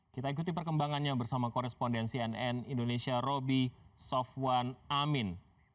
kita ikuti perkembangannya bersama korespondensi nn indonesia roby sofwan amin